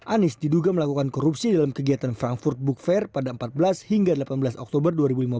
anies diduga melakukan korupsi dalam kegiatan frankfurt book fair pada empat belas hingga delapan belas oktober dua ribu lima belas